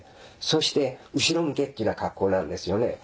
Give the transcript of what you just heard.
そして後ろ向けっていうような格好なんですよね。